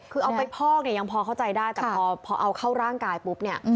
คือเอาไปพอกเนี่ยยังพอเข้าใจได้แต่พอเอาเข้าร่างกายปุ๊บเนี่ย